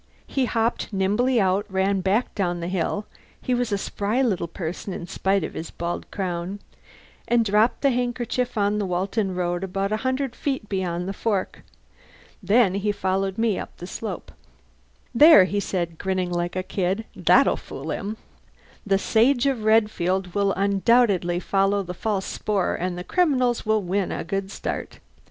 He hopped nimbly out, ran back down the hill (he was a spry little person in spite of his bald crown), and dropped the handkerchief on the Walton Road about a hundred feet beyond the fork. Then he followed me up the slope. "There," he said, grinning like a kid, "that'll fool him. The Sage of Redfield will undoubtedly follow a false spoor and the criminals will win a good start.